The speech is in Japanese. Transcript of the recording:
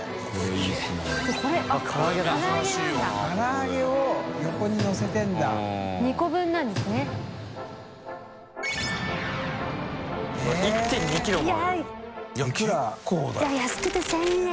い蕁でも安くて１０００円。